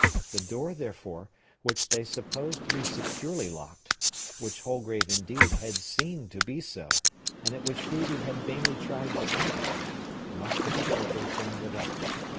The door, therefore, which they supposed to be securely locked,—which Holgrave, indeed, had seen to be so, and at which Phœbe had vainly tried to enter,—must have been opened from without.